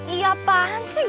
iya apaan sih